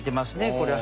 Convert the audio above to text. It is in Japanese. これは。